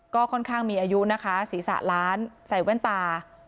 ก็ค่อนข้างมีอายุนะคะศีรษะล้านใส่แว่นตา